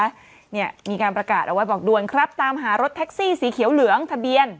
เนี่ยมีการประกาศเอาไว้บอกด่วนครับตามหารถแท็กซี่สีเขียวเหลืองทะเบียน